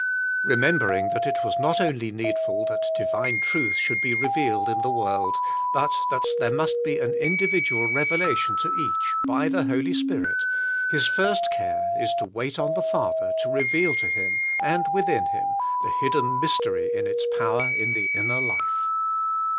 Eemembering that it was not only needful that Divine Truth should be revealed in the world, but that there must be an individual revelation to each, by the Holy Spirit, his first care is to wait on the Father to reveal to him, and within him, the hidden mystery in its power in the inner life.